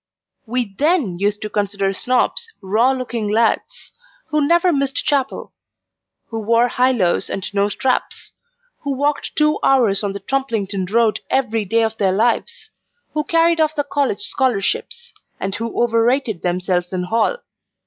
We THEN used to consider Snobs raw looking lads, who never missed chapel; who wore highlows and no straps; who walked two hours on the Trumpington road every day of their lives; who carried off the college scholarships, and who overrated themselves in hall.